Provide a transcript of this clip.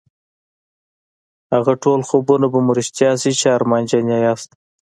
هغه ټول خوبونه به مو رښتيا شي چې ارمانجن يې ياست.